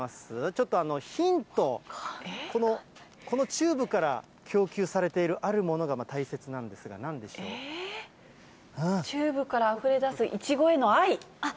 ちょっとヒント、この、このチューブから供給されているあるものが大切なんですが、チューブからあふれ出すいち愛？